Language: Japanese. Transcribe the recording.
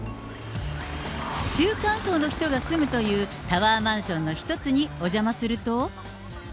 中間層の人が住むというタワーマンションの一つにお邪魔すると。